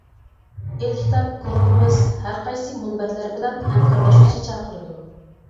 ئېلكىتاب گۇرۇپپىمىز ھەرقايسى مۇنبەرلەر بىلەن ھەمكارلاشقۇچى چاقىرىدۇ.